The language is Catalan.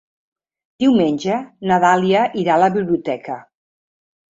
Diumenge na Dàlia irà a la biblioteca.